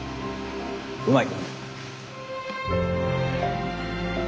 うまい。